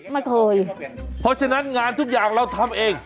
ไม่เคยเพราะฉะนั้นงานทุกอย่างเราทำเอง